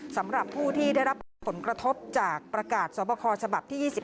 สำหรับผู้ที่ได้รับผลกระทบจากประกาศสวบคอฉบับที่๒๑